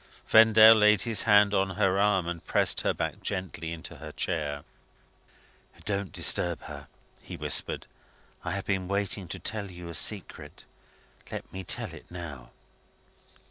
Vendale laid his hand on her arm, and pressed her back gently into her chair. "Don't disturb her," he whispered. "I have been waiting to tell you a secret. Let me tell it now."